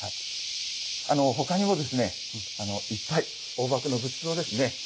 あの他にもですねいっぱい黄檗の仏像ですね。